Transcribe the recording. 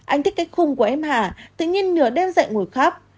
anh thích cái khùng của em hả tự nhiên nửa đêm dậy ngồi khắp